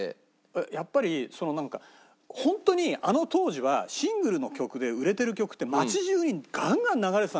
やっぱりそのなんか本当にあの当時はシングルの曲で売れてる曲って街中にガンガン流れてたのよ。